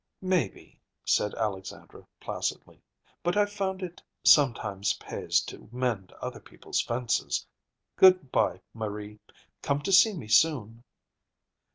"Maybe," said Alexandra placidly; "but I've found it sometimes pays to mend other people's fences. Good bye, Marie. Come to see me soon."